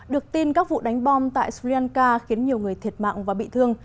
được tin các vụ đánh bom tại sri lanka khiến nhiều người thiệt mạng và bị thương